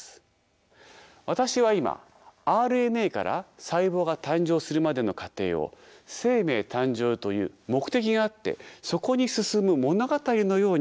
私は今ＲＮＡから細胞が誕生するまでの過程を生命誕生という目的があってそこに進む物語のように語りました。